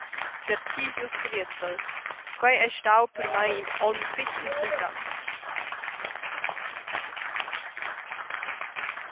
Tarzisius Caviezel: Quei ei stau per mei in onn fetg interessant.